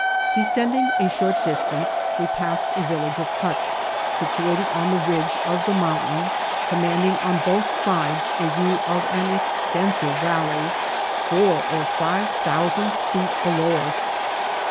Descending a short distance, we passed a village of huts, situated on the ridge ct the mountain, commanding on both sides a view of an ex* tensive valley four ot five thousand feet below us.